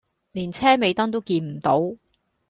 連車尾燈都見唔到